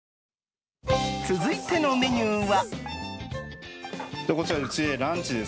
続いてのメニューは？